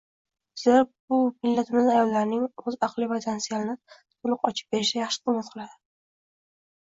Zero bu millatimiz ayollarining oʻz aqliy potensialini toʻliq ochib berishda yaxshi hizmat qiladi.